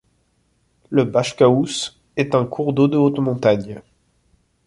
Le Bachkaous est un cours d'eau de haute montagne.